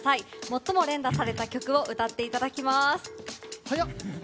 最も連打された曲を歌っていただきます。